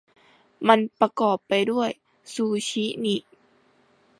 มันประกอบไปด้วยซูชินี่